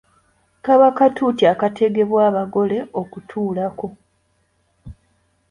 Kaba katuuti akategebwa abagole okutuulako.